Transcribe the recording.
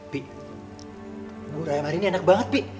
bubur ayam hari ini enak banget